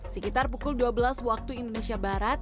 sekitar pukul dua belas waktu indonesia barat